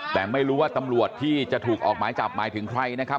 แต่ไม่รู้ว่าตำรวจที่จะถูกออกหมายจับหมายถึงใครนะครับ